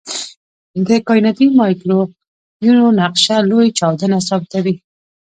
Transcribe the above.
د کائناتي مایکروویو نقشه لوی چاودنه ثابتوي.